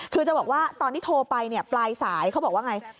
คือจะบอกว่าตอนที่โทรไปปลายสายเขาบอกว่าไง